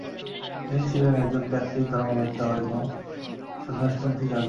তিনি ছিলেন একজন ক্যাথলিক ধর্মবেত্তা এবং সন্নাসীপন্থি যাজক।